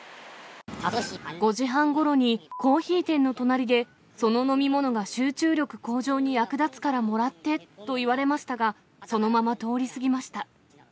５時半ごろにコーヒー店の隣で、その飲み物が集中力向上に役立つからもらってと言われましたが、そのまま通り過ぎました。